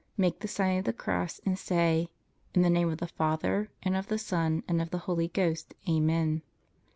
Make the Sign of the Cross and say: + In the name of the Father, and of the Son, and of the Holy Ghost. Amen.